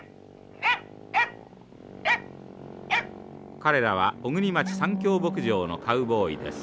彼らは小国町三共牧場のカウボーイです。